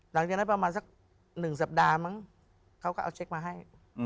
หลังจากนั้นประมาณสัก๑สัปดาห์มั้งเขาก็เอาเช็คมาให้